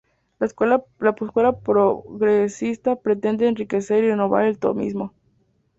La escuela progresista pretende enriquecer y renovar el tomismo.